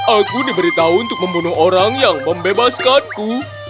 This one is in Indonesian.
aku diberitahu untuk membunuh orang yang membebaskanku